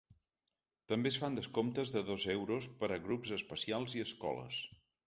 També es fan descomptes de dos euros per a grups especials i escoles.